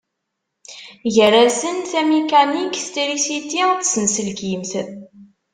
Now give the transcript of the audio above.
Gar-asent tamikanikt, trisiti d tsenselkimt.